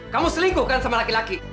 kamu selingkuh kan sama laki laki